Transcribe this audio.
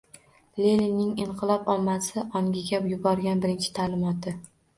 Leninning «inqilob ommasi» ongiga yuborgan birinchi ta'limoti